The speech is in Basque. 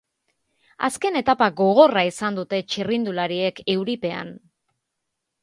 Azken etapa gogorra izan dute txirrindulariek, euripean.